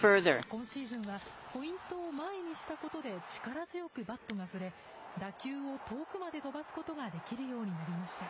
今シーズンは、ポイントを前にしたことで力強くバットが振れ、打球を遠くまで飛ばすことができるようになりました。